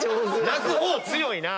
泣く方強いな。